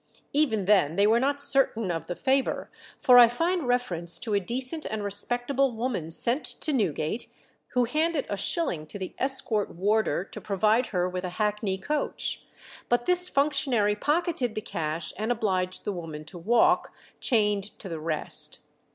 Even then they were not certain of the favour, for I find a reference to a decent and respectable woman sent to Newgate, who handed a shilling to the escort warder to provide her with a hackney coach; but this functionary pocketed the cash, and obliged the woman to walk, chained to the rest.